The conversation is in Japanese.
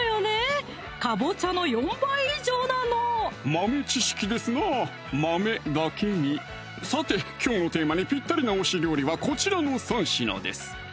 豆知識ですな豆だけにさてきょうのテーマにぴったりな推し料理はこちらの３品です